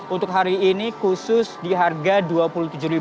untuk hari ini khusus di harga rp dua puluh tujuh